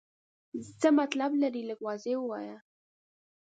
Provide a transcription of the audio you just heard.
څه مطلب لرې ؟ لږ واضح ووایه.